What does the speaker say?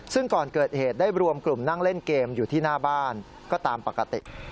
ซึ่งก่อนเกิดเหตุได้รวมกลุ่มนั่งเล่นเกมอยู่ที่หน้าบ้านก็ตามปกติ